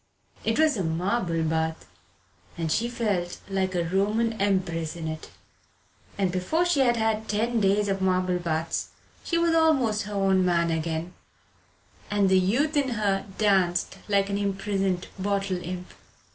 It was a marble bath, and she felt like a Roman empress in it. And before she had had ten days of marble baths she was almost her own man again, and the youth in her danced like an imprisoned bottle imp.